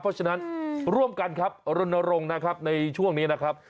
เพราะฉะนั้นร่วมกันครับรณรงค์นะครับในช่วงนี้นะครับ